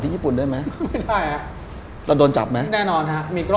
ที่ญี่ปุ่นได้ไหม